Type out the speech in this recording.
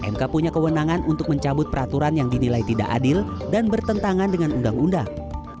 mk punya kewenangan untuk mencabut peraturan yang dinilai tidak adil dan bertentangan dengan undang undang